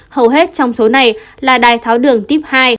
hầu hết trong số này là đài tháo đường tuyếp hai